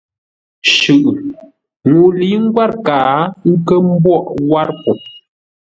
Shʉʼʉ.Ŋuu lə̌i ngwát kaa, ə́ nkə́ mbwóghʼ wâr po.